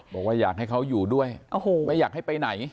บอกว่าอยากให้เขาอยู่ด้วยไม่อยากให้ไปไหน